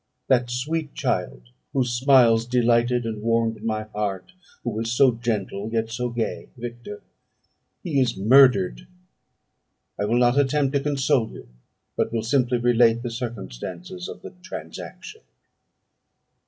that sweet child, whose smiles delighted and warmed my heart, who was so gentle, yet so gay! Victor, he is murdered! "I will not attempt to console you; but will simply relate the circumstances of the transaction.